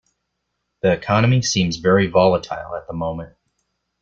The economy seems very volatile at the moment.